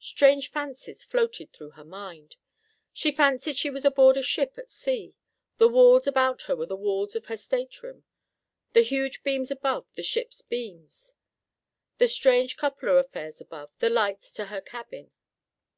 Strange fancies floated through her mind. She fancied she was aboard a ship at sea; the walls about her were the walls of her state room; the huge beams above, the ship's beams; the strange cupola affairs above, the lights to her cabin.